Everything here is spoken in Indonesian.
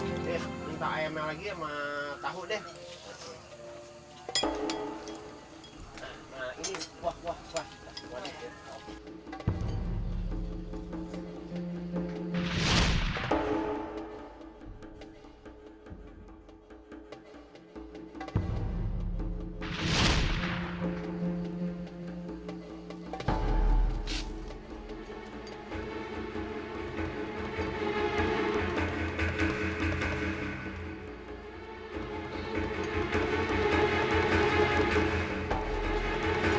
aduh aduh aduh ampun kak saya gak nyet solong